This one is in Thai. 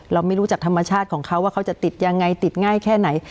เราไม่รู้จักธรรมชาติของเขาว่าเขาจะติดยังไงติดง่ายแค่ไหน